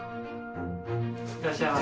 いらっしゃいませ。